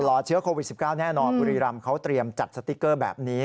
รอเชื้อโควิด๑๙แน่นอนบุรีรำเขาเตรียมจัดสติ๊กเกอร์แบบนี้